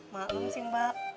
malu sih mbak